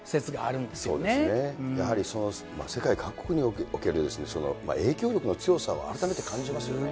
そうですね、やはり世界各国における影響力の強さを改めて感じますよね。